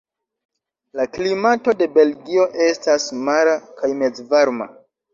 La klimato de Belgio estas mara kaj mezvarma.